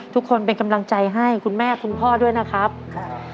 ทุกคนเป็นกำลังใจให้คุณแม่คุณพ่อด้วยนะครับครับ